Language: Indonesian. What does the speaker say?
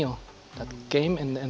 yang datang dan membawa banyak air